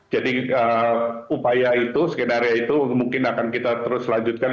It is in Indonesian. jadi upaya itu skenario itu mungkin akan kita terus lanjutkan